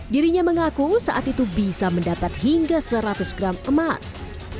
dirinya mengaku saat itu bisa mendapat hingga seratus gram emas